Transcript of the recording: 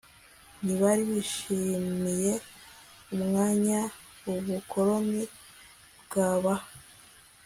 ntibari bishimiye umwanya ubukoloni bwabaha